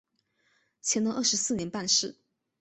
乾隆二十四年办事。